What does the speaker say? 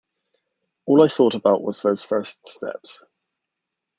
All I thought about was those first steps.